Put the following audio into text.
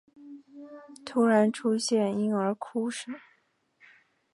突然出现婴儿哭声